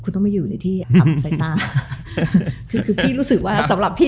คุณต้องมาอยู่ในที่กลับใส่หน้า